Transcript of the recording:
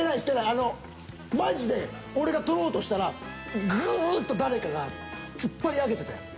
あのマジで俺が取ろうとしたらグッと誰かが突っ張り上げててん。